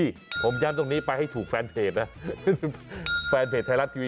แล้วครับบอกแบบนี้เราจะจับมือคุณผู้ชมแล้ว